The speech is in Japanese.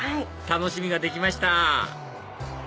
楽しみができました